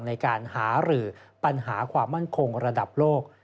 ในการหารือปัญหาความมั่นคงระดับโลก